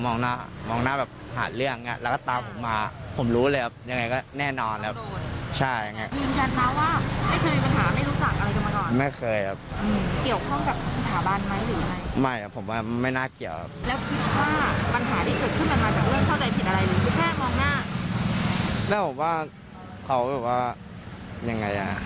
แล้วคิดว่าปัญหาที่เกิดขึ้นมาจากเรื่องเข้าใจผิดอะไรหรือรูขูแพ่งมองหน้า